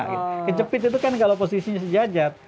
kecepit itu kan kalau posisinya sejajar